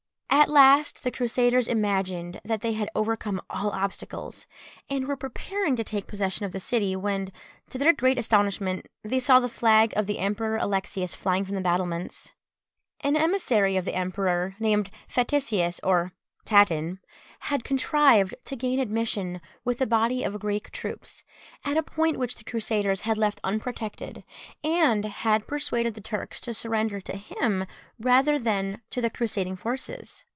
At last the Crusaders imagined that they had overcome all obstacles, and were preparing to take possession of the city, when, to their great astonishment, they saw the flag of the Emperor Alexius flying from the battlements. An emissary of the emperor, named Faticius or Tatin, had contrived to gain admission, with a body of Greek troops, at a point which the Crusaders had left unprotected, and had persuaded the Turks to surrender to him rather than to the crusading forces.